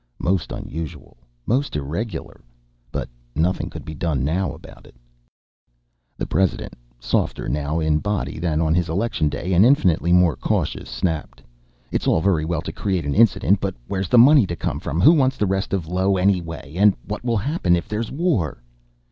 Most unusual. Most irregular. But nothing could be done about it now. The President, softer now in body than on his election day, and infinitely more cautious, snapped: "It's all very well to create an incident. But where's the money to come from? Who wants the rest of Io anyway? And what will happen if there's war?"